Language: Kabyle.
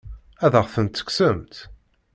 Ad aɣ-tent-tekksemt?